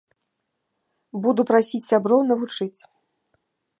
Буду прасіць сяброў навучыць.